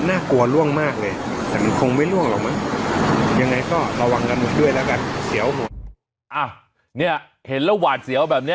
อ้าวเนี่ยเห็นนะว่าหวาดเสียวแบบนี้